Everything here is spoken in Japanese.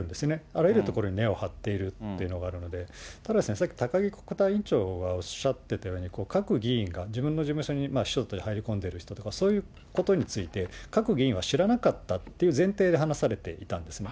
あらゆる所に目を張っているというのがあるんで、ただ、さっき高木国対委員長がおっしゃってたように、各議員が自分の事務所に入り込んでいる人とか、そういうことについて、各議員は知らなかったという前提で話されていたんですね。